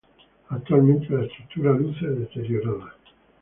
Actualmente la estructura luce deteriorada.